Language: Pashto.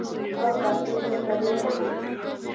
هغه په پاسته کوچ باندې وغځېد.